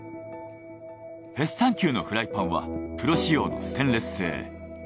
ヘスタンキューのフライパンはプロ使用のステンレス製。